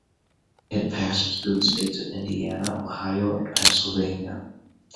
It passes through the states of Indiana, Ohio and Pennsylvania.